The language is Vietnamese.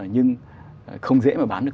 nhưng không dễ mà bán được